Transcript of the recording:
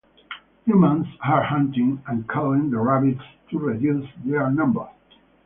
Humans are hunting and culling the rabbits to reduce their number.